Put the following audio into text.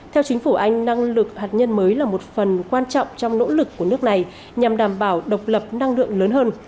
theo chính phủ anh năng lực hạt nhân mới là một phần quan trọng trong nỗ lực của nước này nhằm đảm bảo độc lập năng lượng lớn hơn